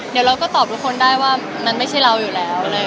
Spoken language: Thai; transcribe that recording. เดี๋ยวเราก็ตอบทุกคนได้ว่ามันไม่ใช่เราอยู่แล้ว